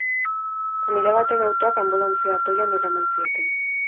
Familia baten autoak anbulantzia atoian eraman zieten.